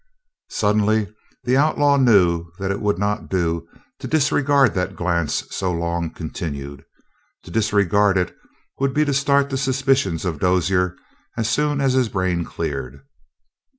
Suddenly the outlaw knew that it would not do to disregard that glance so long continued. To disregard it would be to start the suspicions of Dozier as soon as his brain cleared.